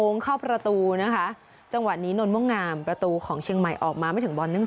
มาบ้อนโค้งเข้าประตู